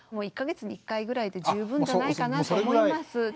１か月に１回ぐらいで十分じゃないかなと思います。